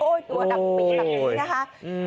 โอ๊ยตัวดำมีแบบนี้นะคะ